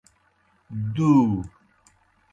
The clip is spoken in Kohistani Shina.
دُو۔